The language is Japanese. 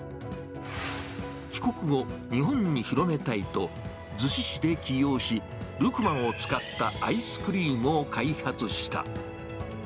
帰国後、日本に広めたいと、逗子市で起業し、ルクマを使ったアイスクリームを開発した。